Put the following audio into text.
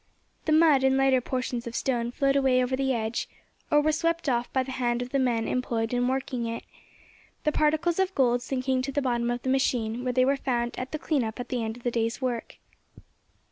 The mud and lighter portions of stone flowed away over the edge, or were swept off by the hand of the men employed in working it, the particles of gold sinking to the bottom of the machine, where they were found at the clean up at the end of the day's work.